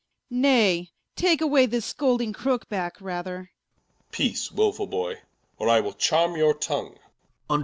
Nay, take away this scolding Crooke backe, rather Edw. Peace wilfull Boy, or I will charme your tongue Clar.